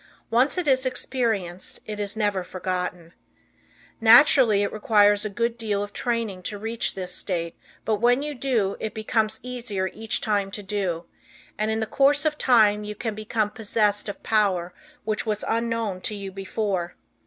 Once it is experienced it is never forgotten. Naturally it requires a good deal of training to reach this state, but once you do, it becomes easier each time to do, and in the course of time you can become possessed of power which was unknown to you before.